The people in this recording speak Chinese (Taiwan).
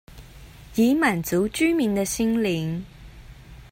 以滿足居民的心靈